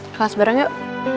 kelas bareng yuk